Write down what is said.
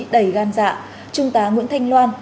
đầy gan dạ trung tá nguyễn thanh loan